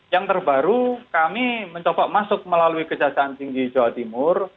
yang terbaru kami mencoba masuk melalui kejaksaan tinggi jawa timur